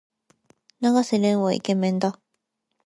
永瀬廉はイケメンだ。